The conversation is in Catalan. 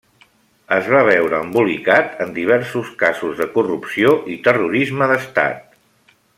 Es va veure embolicat en diversos casos de corrupció i terrorisme d'Estat.